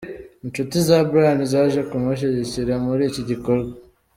Inshuti za Brian zaje kumushyigikira muri iki gikorwa.